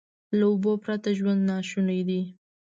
له اوبو پرته ژوند ناشونی دی.